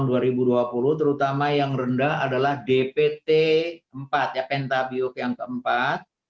yang pertama yang rendah adalah dpt empat pentabiok yang keempat